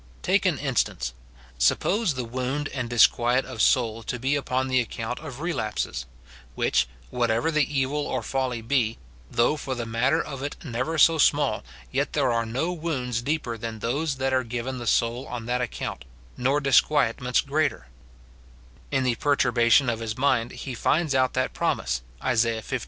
Take an instance : Suppose the wound and disquiet of soul to be upon the account of relapses, — which, what ever the evil or folly be, though for the matter of it never so small, yet there are no wounds deeper than those that are given the soul on that account, nor dis quietments greater; — in the perturbation of his mind, he finds out that promise, Isa. Iv.